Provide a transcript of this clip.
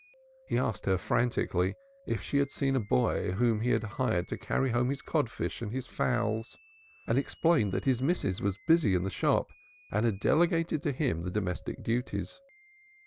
He asked her frantically, if she had seen a boy whom he had hired to carry home his codfish and his fowls, and explained that his missus was busy in the shop, and had delegated to him the domestic duties.